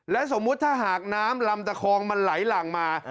สมมุติถ้าหากน้ำลำตะคองมันไหลหลั่งมา